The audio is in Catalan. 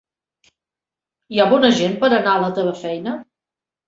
Hi ha bona gent per anar a la teva feina?